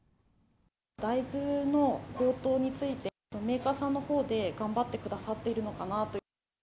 大豆の高騰について、メーカーさんのほうで頑張ってくださっているのかなと。